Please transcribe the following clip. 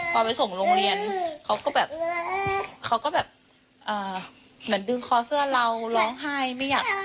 พอไปส่งโรงเรียนเขาก็แบบเขาก็แบบเหมือนดึงคอเสื้อเราร้องไห้ไม่อยาก